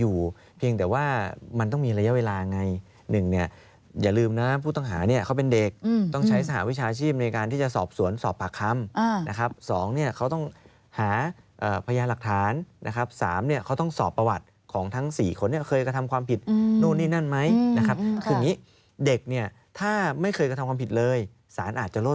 อยู่เพียงแต่ว่ามันต้องมีระยะเวลาไงหนึ่งเนี่ยอย่าลืมนะผู้ต้องหาเนี่ยเขาเป็นเด็กต้องใช้สหวิชาชีพในการที่จะสอบสวนสอบปากคำนะครับสองเนี่ยเขาต้องหาพยานหลักฐานนะครับสามเนี่ยเขาต้องสอบประวัติของทั้งสี่คนเนี่ยเคยกระทำความผิดนู่นนี่นั่นไหมนะครับคืออย่างนี้เด็กเนี่ยถ้าไม่เคยกระทำความผิดเลยสารอาจจะลด